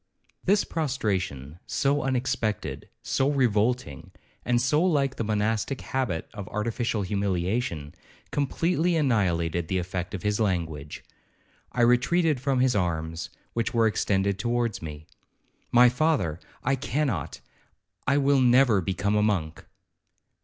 'This prostration, so unexpected, so revolting, and so like the monastic habit of artificial humiliation, completely annihilated the effect of his language. I retreated from his arms, which were extended towards me. 'My father, I cannot,—I will never become a monk.'